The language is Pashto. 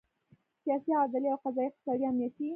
سیاسي، عدلي او قضایي، اقتصادي، امنیتي